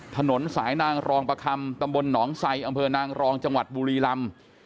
ถนนสายนางรองประคำตำบลหนองไซอำเภอนางรองจังหวัดบุรีลำ